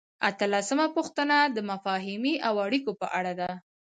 اتلسمه پوښتنه د مفاهمې او اړیکو په اړه ده.